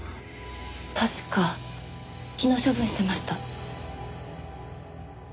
確か昨日処分してました。